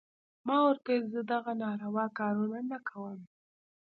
ما ورته وويل زه دغه ناروا کارونه نه کوم.